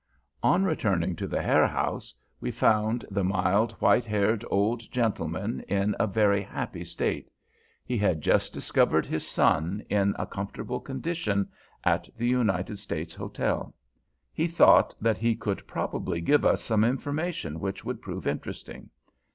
On returning to the Herr House, we found the mild, white haired old gentleman in a very happy state. He had just discovered his son, in a comfortable condition, at the United States Hotel. He thought that he could probably give us some information which would prove interesting.